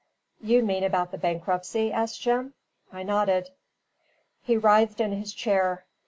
"You mean about the bankruptcy?" asked Jim. I nodded. He writhed in his chair.